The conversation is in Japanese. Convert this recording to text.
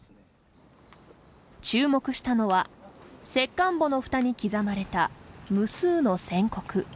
注目したのは、石棺墓のふたに刻まれた無数の線刻。